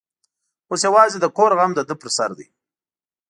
اوس یوازې د کور غم د ده پر سر دی.